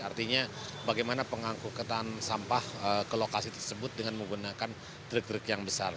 artinya bagaimana pengangkutan sampah ke lokasi tersebut dengan menggunakan truk truk yang besar